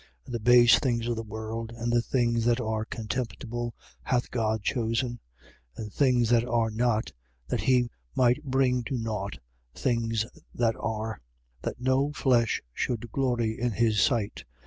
1:28. And the base things of the world and the things that are contemptible, hath God chosen: and things that are not, that he might bring to nought things that are: 1:29. That no flesh should glory in his sight.